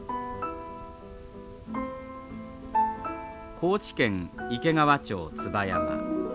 高知県池川町椿山。